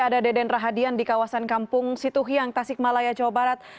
ada deden rahadian di kawasan kampung situhiang tasik malaya jawa barat